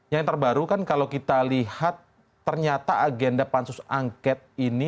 yang terbaru kan kalau kita lihat ternyata agenda pansus angket ini